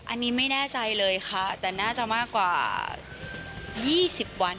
อันนี้ไม่แน่ใจเลยค่ะแต่น่าจะมากกว่า๒๐วัน